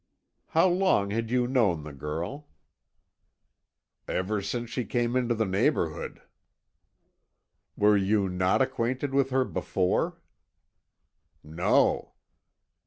"How long had you known the girl?" "Ever since she came into the neighbourhood." "Were you not acquainted with her before?" "No."